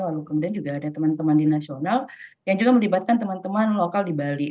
lalu kemudian juga ada teman teman di nasional yang juga melibatkan teman teman lokal di bali